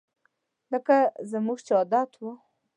لکه زموږ چې عادت وو